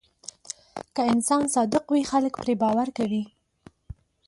که انسان صادق وي، خلک پرې باور کوي.